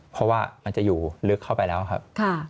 เพราะว่ามันจะอยู่ลึกเข้าไปแล้วครับ